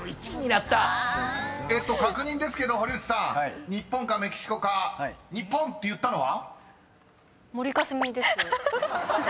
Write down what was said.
［えっと確認ですけど堀内さん日本かメキシコか日本って言ったのは？］